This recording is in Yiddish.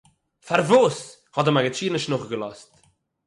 פארוואס? האט די מגיד שיעור נישט נאכגעלאזט